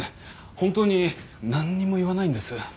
本当になんにも言わないんです。